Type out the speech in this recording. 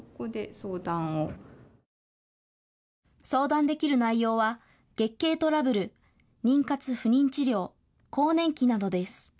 相談できる内容は月経トラブル、妊活・不妊治療、更年期などです。